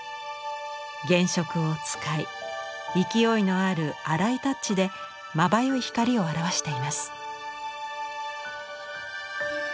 原色を使い勢いのある荒いタッチでまばゆい光を表しています。